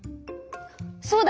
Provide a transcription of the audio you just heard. そうだ！